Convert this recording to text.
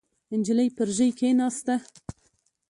نجلۍ پر ژۍ کېناسته.